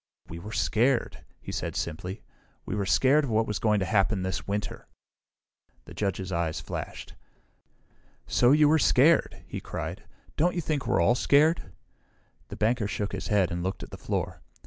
"We were scared," he said simply. "We were scared of what is going to happen this winter." The judge's eyes flashed. "So you were scared?" he cried. "Don't you think we're all scared?" The banker shook his head and looked at the floor.